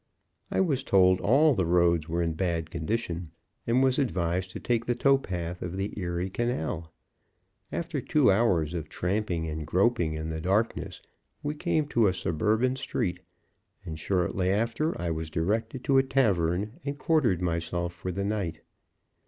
I was told all the roads were in bad condition, and was advised to take the tow path of the Erie Canal. After two hours of tramping and groping in the darkness, we came to a suburban street; soon after I was directed to a tavern, and quartered myself for the night.